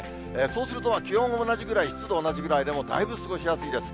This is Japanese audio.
そうすると、気温も同じぐらい、湿度も同じぐらいでも、だいぶ過ごしやすいです。